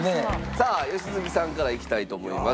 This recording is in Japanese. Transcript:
さあ良純さんからいきたいと思います。